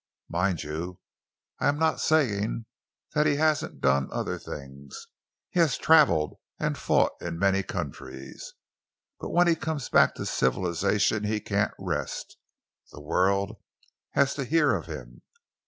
Mind you, I am not saying that he hasn't done other things. He has travelled and fought in many countries, but when he comes back to civilisation he can't rest. The world has to hear of him.